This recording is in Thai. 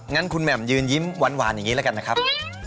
งั้นคุณแหม่มยืนยิ้มหวานอย่างนี้แล้วกันนะครับ